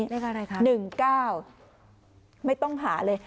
เลขอะไรคะ๑๙ไม่ต้องหาเลย